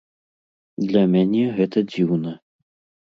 Для мяне гэта дзіўна.